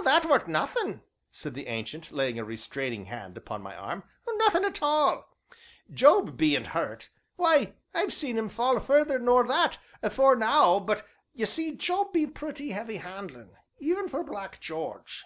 "Oh, that weren't nothin'," said the Ancient, laying, a restraining hand upon my arm, "nothin' at all. Job bean't 'urt; why, I've seen 'em fall further nor that afore now, but y' see Job be pretty heavy handlin' even for Black Jarge."